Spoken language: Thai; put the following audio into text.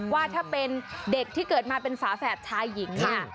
ว่าถ้าเป็นเด็กที่เกิดมาเป็นฝาแฝดชายหญิงเนี่ย